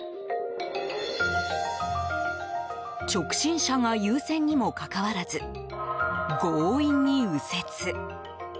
直進車が優先にもかかわらず強引に右折。